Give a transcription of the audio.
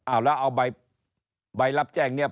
เอาแล้วเอาใบรับแจ้งเนี่ย